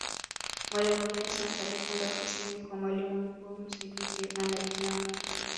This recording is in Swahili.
mwalimu vicent alikwenda ofisini kwa mwalimu mkuu msaidizi aneth nyongo